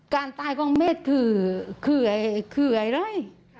การตายของเบสคือคือไงไง